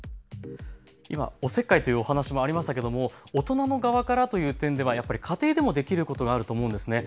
今、おせっかいというお話もありましたが大人の側からという点では家庭でもできることがあると思うんです。